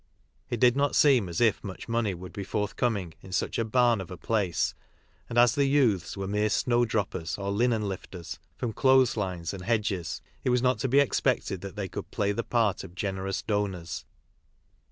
It did not seem as if much money would be forthcoming in such a barn of a place, and as the youths were mere "snow droppers," or "linen lifters" f rom clothes lines and hedges, it wasnot to be expected that they could play the part of generous donors.